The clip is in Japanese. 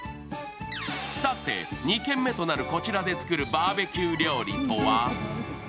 さて、２軒目となるこちらで作るバーベキュー料理とは？